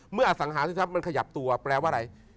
เมื่อสังหาศิษยธรรมมันขยับตัวแปลว่าอะไร